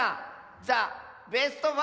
ザ・ベスト５」